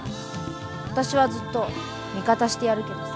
私はずっと味方してやるけどさ。